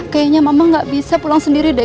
kayanya mama gak bisa pulang sendiri deh